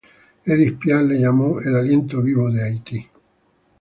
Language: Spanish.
Edith Piaf le llamó "el aliento vivo de Haití".